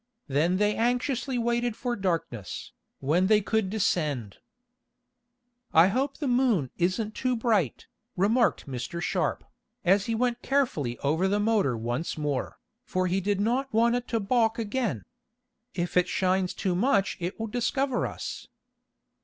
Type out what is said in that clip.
Then they anxiously waited for darkness, when they could descend. "I hope the moon isn't too bright," remarked Mr. Sharp, as he went carefully over the motor once more, for he did not want it to balk again. "If it shines too much it will discover us."